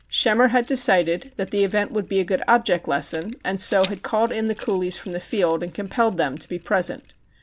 Schemmer had decided that the event would be a good object lesson, and so had called in the coolies from the fields and compelled them to be present.